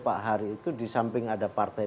pak hari itu di samping ada partai